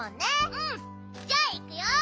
じゃあいくよ。